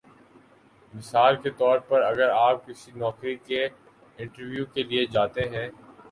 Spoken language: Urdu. مثال کے طور پر اگر آپ کسی نوکری کے انٹرویو کے لیے جاتے ہیں